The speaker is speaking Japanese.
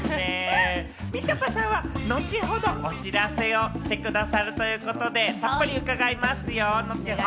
みちょぱさんは後ほどお知らせをしてくださるということで、たっぷり伺いますよ。